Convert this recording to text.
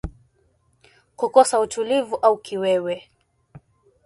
Kukosa utulivu au kiwewe